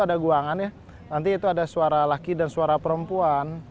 ada guangan ya nanti itu ada suara laki dan suara perempuan